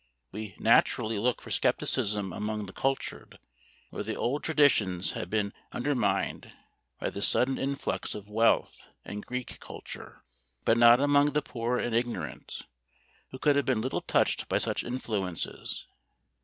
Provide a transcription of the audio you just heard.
We naturally look for scepticism among the cultured, where the old traditions had been undermined by the sudden influx of wealth and Greek culture, but not among the poor and ignorant, who could have been little touched by such influences.